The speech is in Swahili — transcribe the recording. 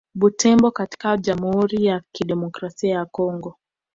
Butembo katika Jamhuri ya Kidemokrasia ya Kongo